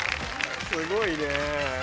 すごいね。